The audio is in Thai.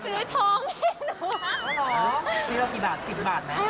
หรือซื้อแล้วกี่บาท๑๐บาทไหม